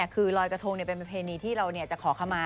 คือลอยกระทงเป็นประเพณีที่เราจะขอเข้ามา